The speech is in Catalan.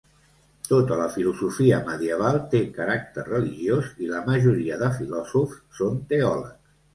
Tota la filosofia medieval té caràcter religiós i la majoria de filòsofs són teòlegs.